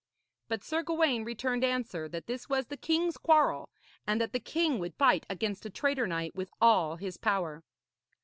But Sir Gawaine returned answer that this was the king's quarrel, and that the king would fight against a traitor knight with all his power.